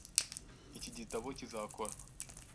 Iki gitabo kizakora .